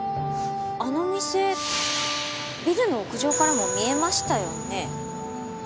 あの店ビルの屋上からも見えましたよね？